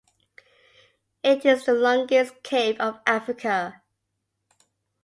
It is the longest cave of Africa.